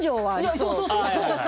そうそうそうそう。